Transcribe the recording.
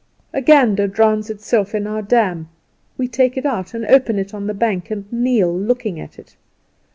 A gander drowns itself in our dam. We take it out, and open it on the bank, and kneel looking at it.